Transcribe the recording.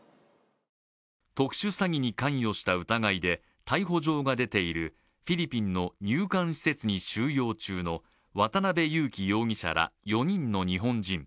特殊詐欺に関与した疑いで逮捕状が出ているフィリピンの入管施設に収容中の渡辺優樹容疑者ら４人の日本人。